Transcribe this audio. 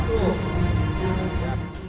menjaga keamanan pemeriksaan